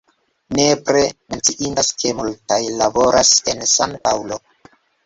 Nepre menciindas, ke multaj laboras en San-Paŭlo.